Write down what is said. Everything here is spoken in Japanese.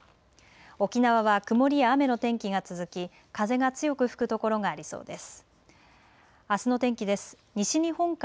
沖縄は曇りや雨の天気が続き風が強く吹く所がありそうです。